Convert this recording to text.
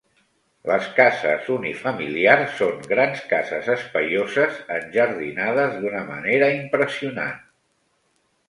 Les cases unifamiliars són grans cases espaioses enjardinades d'una manera impressionant.